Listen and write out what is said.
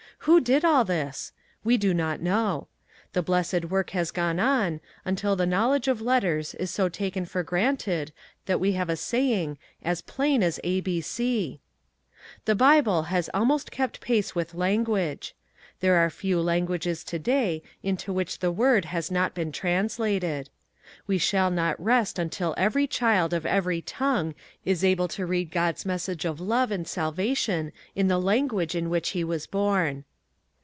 Who did all this? We do not know. The blessed work has gone on, until the knowledge of letters is so taken for granted that we have a saying, "as plain as ABC." The Bible has almost kept pace with language. There are few languages to day into which the Word has not been translated. We shall not rest until every child of every tongue is able to read God's message of love and salvation in the language in which he was born.